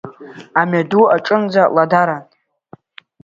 Амҩаду аҿынӡа ладаран.